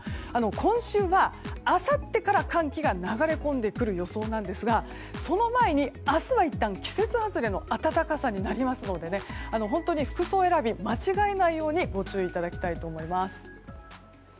今週は、明後日から寒気が流れ込んでくる予想なんですがその前に明日はいったん季節外れの暖かさになりますので本当に服装選び間違えないようにご注意いただきたいと思います。